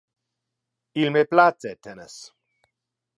Il me place tennis.